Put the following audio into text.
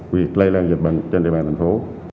việc lây lan dịch bệnh trên địa bàn thành phố